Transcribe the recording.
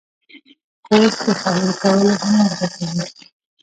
کورس د خبرو کولو هنر زده کوي.